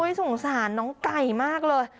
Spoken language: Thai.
สงสารน้องไก่มากเลย